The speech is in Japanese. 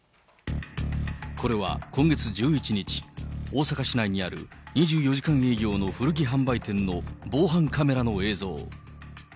これは今月１１日、大阪市内にある２４時間営業の古着販売店の防犯カメラの映像。